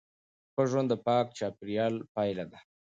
ښه ژوند د پاک چاپیریال پایله ده.